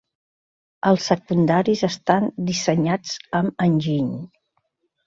Els secundaris estan dissenyats amb enginy.